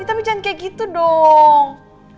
tapi jangan kayak gitu dong